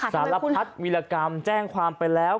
สารพัดวิรกรรมแจ้งความไปแล้ว